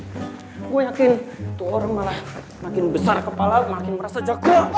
gue yakin itu orang malah makin besar kepala makin merasa jago